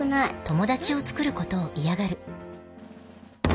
友達を作ることを嫌がる